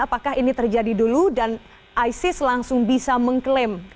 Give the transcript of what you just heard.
apakah ini terjadi dulu dan isis langsung bisa mengklaim